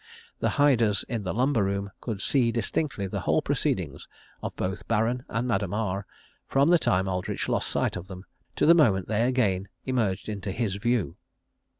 The hiders in the lumber room could see distinctly the whole proceedings of both Baron and Madame R, from the time Aldridge lost sight of them to the moment they again emerged into his view.